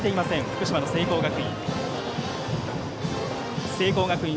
福島の聖光学院。